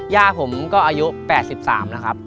ย่าผมก็อายุ๘๓นะครับ